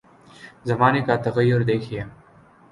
زمانے کا تغیر دیکھیے۔